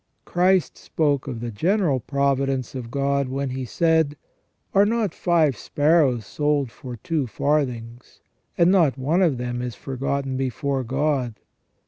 Christ spoke of the general provi dence of God when He said :" Are not five sparrows sold for two farthings, and not one of them is forgotten before God